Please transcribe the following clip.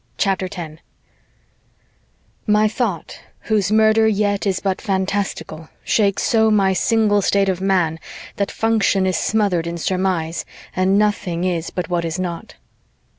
CHAPTER 10 My thought, whose murder yet is but fantastical, Shakes so my single state of man that function Is smother'd in surmise, and nothing is But what is not.